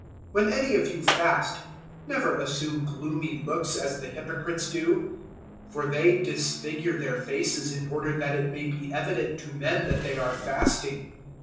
006:016 "When any of you fast, never assume gloomy looks as the hypocrites do; for they disfigure their faces in order that it may be evident to men that they are fasting.